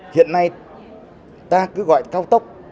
hiện nay ta cứ gọi cao tốc